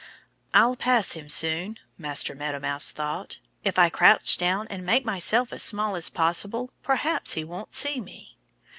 "I'll pass him soon," Master Meadow Mouse thought. "If I crouch down and make myself as small as possible perhaps he won't see me."